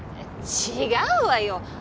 違うわよ！